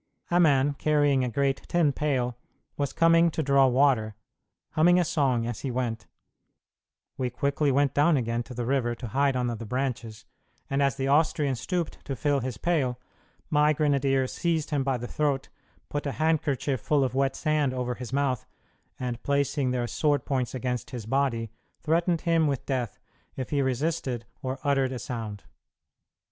A man, carrying a great tin pail, was coming to draw water, humming a song as he went; we quickly went down again to the river to hide under the branches, and as the Austrian stooped to fill his pail, my grenadiers seized him by the throat, put a handkerchief full of wet sand over his mouth, and placing their sword points against his body, threatened him with death if he resisted or uttered a sound.